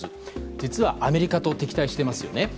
実はアメリカと敵対しています。